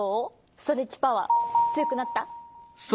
ストレッチパワーつよくなった？